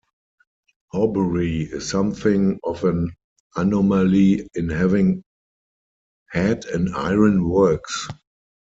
Horbury is something of an anomaly in having had an iron works.